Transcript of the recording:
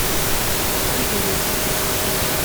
Adret.